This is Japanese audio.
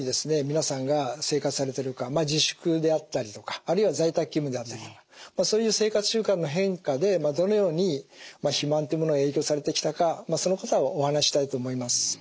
皆さんが生活されているか自粛であったりとかあるいは在宅勤務であったりとかそういう生活習慣の変化でどのように肥満というものに影響されてきたかそのことをお話ししたいと思います。